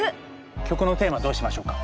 曲のテーマどうしましょうか？